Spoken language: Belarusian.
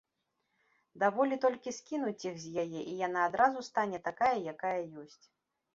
Даволі толькі скінуць іх з яе, і яна адразу стане такая, якая ёсць.